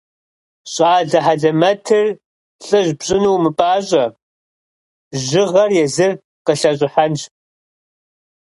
Щӏалэ хьэлэмэтыр лӏыжь пщӏыну умыпӏащӏэ, жьыгъэр езыр къылъэщӏыхьэнщ.